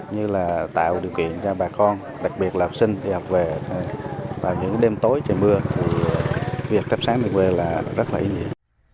như là tạo điều kiện cho bà con đặc biệt là học sinh đi học về vào những đêm tối trời mưa việc thắp sáng đường quê là rất là ý nghĩa